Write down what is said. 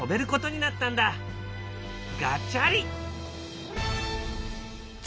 ガチャリ。